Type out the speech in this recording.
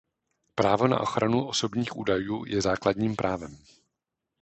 Právo na ochranu osobních údajů je základním právem.